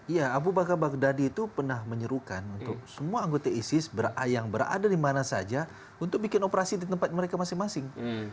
iya abu bakar baghdadi itu pernah menyerukan untuk semua anggota isis yang berada di mana saja untuk bikin operasi di tempat mereka masing masing